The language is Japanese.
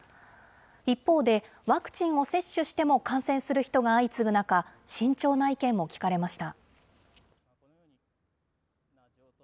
一方で、ワクチンを接種しても感染する人が相次ぐ中、慎重な意見も聞かれました。